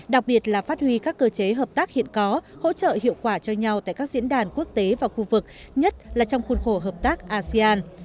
đặc biệt là phát huy các cơ chế hợp tác hiện có hỗ trợ hiệu quả cho nhau tại các diễn đàn quốc tế và khu vực nhất là trong khuôn khổ hợp tác asean